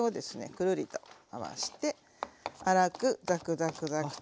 くるりと回して粗くザクザクザクと。